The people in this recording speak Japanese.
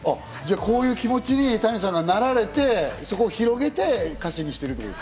こういう気持ちにＴａｎｉさんがなられて、そこを広げて歌詞にしている。